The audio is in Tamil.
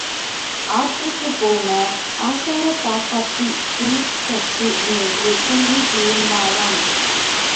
ஆற்றுக்குப் போன ஆசாரப் பாப்பாத்தி துலுக்கச்சி மேலே துள்ளி விழுந்தாளாம்.